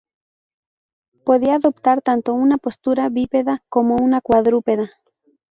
Podía adoptar tanto una postura bípeda como cuadrúpeda.